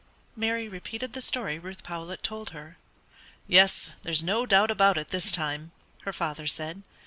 Mary repeated the story Ruth Powlett told her. "Yes, there's no doubt about it this time," her father said.